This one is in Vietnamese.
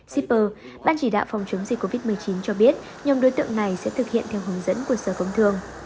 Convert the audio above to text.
shipper ban chỉ đạo phòng chống dịch covid một mươi chín cho biết nhóm đối tượng này sẽ thực hiện theo hướng dẫn của sở công thương